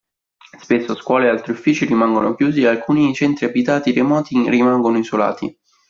Spesso scuole e altri uffici rimangono chiusi e alcuni centri abitati remoti rimangono isolati.